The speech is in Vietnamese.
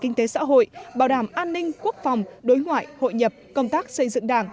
kinh tế xã hội bảo đảm an ninh quốc phòng đối ngoại hội nhập công tác xây dựng đảng